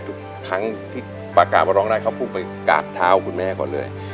ทุกครั้งที่ประกาศว่าร้องได้เขาพุ่งไปกราบเท้าคุณแม่ก่อนเลย